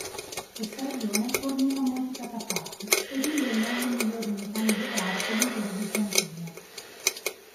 Questa regione forniva molti catafratti, ed in genere le migliori unità militari dell'impero bizantino.